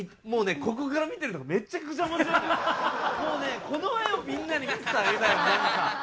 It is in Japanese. もうね、この画をみんなに見せてあげたいわ。